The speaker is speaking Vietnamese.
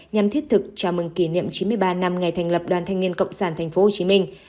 nhằm thiết thực chào mừng kỷ niệm chín mươi ba năm ngày thành lập đoàn thanh niên cộng sản tp hcm